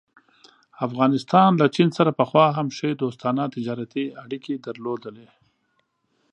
افغانستان له چین سره پخوا هم ښې دوستانه تجارتي اړيکې درلودلې.